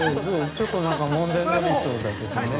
◆ちょっと、なんか問題になりそうだけどね。